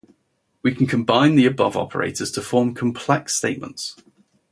We can combine the above operators to form complex statements.